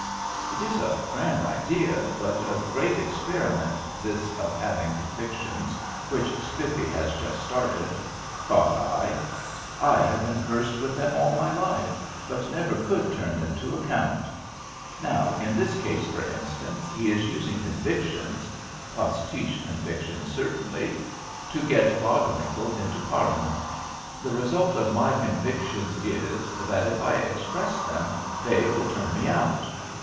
It is a grand idea but a great experiment this of having convictions, which Spiffy has just started, thought I. I have been cursed with them all my life, but never could turn them to account. Now in this case, for instance, he is using convictions postiche convictions certainly to get Bodwinkle into Parliament; the result of my convictions is, that if I express them they will turn me out.